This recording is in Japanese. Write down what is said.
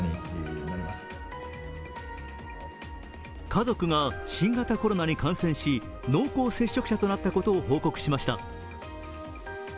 家族が新型コロナに感染し濃厚接触者となったことを報告しました。